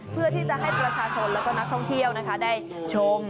เพื่อที่จะให้ประชาชนและก็นักท่องเที่ยวได้ชม